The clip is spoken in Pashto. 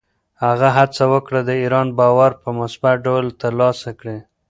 هغه هڅه وکړه، د ایران باور په مثبت ډول ترلاسه کړي.